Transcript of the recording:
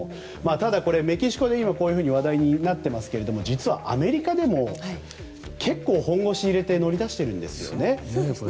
ただメキシコで今、話題になっていますが実はアメリカでも結構本腰を入れて乗り出しているんですよね。